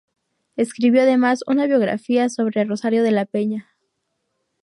Escribió además una biografía sobre Rosario de la Peña.